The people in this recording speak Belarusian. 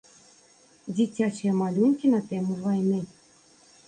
Дзіцячыя малюнкі на тэму вайны.